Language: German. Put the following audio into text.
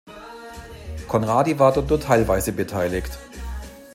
Conradi war dort nur teilweise beteiligt.